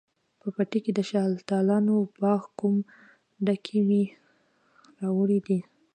په پټي کښې د شلتالانو باغ کوم، ډکي مې راوړي دي